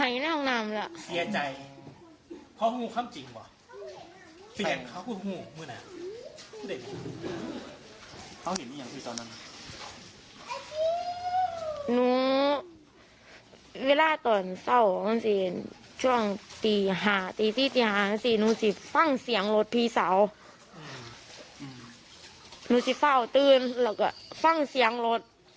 หนูสิฟังเสียงรถพี่สาวหนูสิเฝ้าตื่นแล้วก็ฟังเสียงรถ